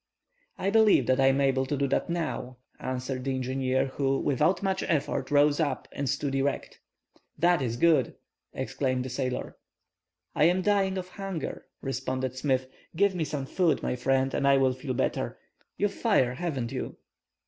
"I believe that I am able to do that now," answered the engineer, who, without much effort, rose up and stood erect. "That is good," exclaimed the sailor. "I am dying of hunger," responded Smith. "Give me some food, my friend, and I will feel better. You've fire, haven't you?"